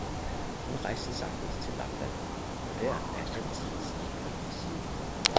Hun rejste sagtens til Lapland, for der er altid sne og is!